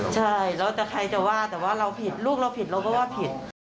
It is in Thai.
ใช่แล้วแต่ใครจะว่าแต่ว่าเราผิดลูกเราผิดเราก็ว่าผิด